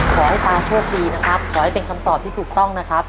ขอให้ตาโชคดีนะครับขอให้เป็นคำตอบที่ถูกต้องนะครับ